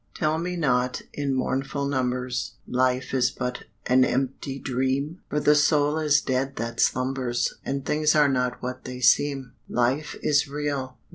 Tell me not, in mournful numbers, Life is but an empty dream! For the soul is dead that slumbers, And things are not what they seem. Life is real!